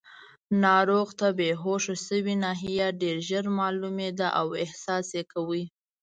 ناروغ ته بېهوښه شوې ناحیه ډېر ژر معلومېده او احساس یې کاوه.